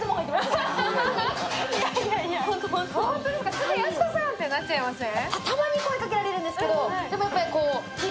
すぐやす子さんってなっちゃいません？